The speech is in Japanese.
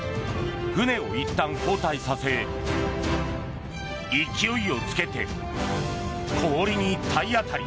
船をいったん後退させ勢いをつけて、氷に体当たり。